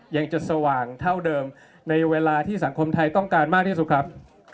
ยังจะสว่างเท่าเดิมในเวลาที่สังคมไทยต้องการมากที่สุดครับ